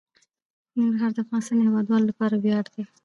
ننګرهار د افغانستان د هیوادوالو لپاره ویاړ دی.